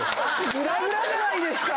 グラグラじゃないですか！